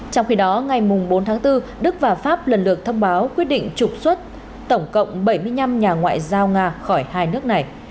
trong khi đó ngày bốn tháng bốn đức và pháp lần lượt thông báo quyết định trục xuất tổng cộng bảy mươi năm nhà ngoại giao nga khỏi hai nước này